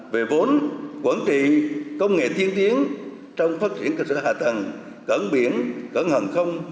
về vốn quản trị công nghệ tiên tiến trong phát triển cơ sở hạ tầng cẩn biển cẩn hẳn không